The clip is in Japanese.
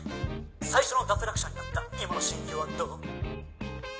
最初の脱落者になった今の心境はどう？